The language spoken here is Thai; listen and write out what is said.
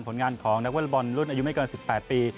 ผลงานของนักวอเล็กบอลรุ่นอายุไม่เกิน๑๘ปี